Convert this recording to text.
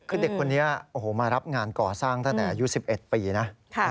คือเด็กคนนี้โอ้โหมารับงานก่อสร้างตั้งแต่อายุ๑๑ปีนะ